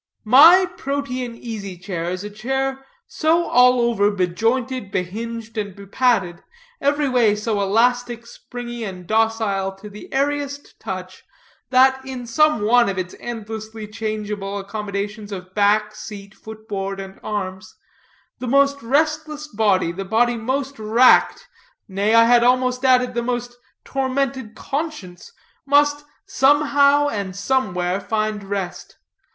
"My Protean easy chair is a chair so all over bejointed, behinged, and bepadded, everyway so elastic, springy, and docile to the airiest touch, that in some one of its endlessly changeable accommodations of back, seat, footboard, and arms, the most restless body, the body most racked, nay, I had almost added the most tormented conscience must, somehow and somewhere, find rest.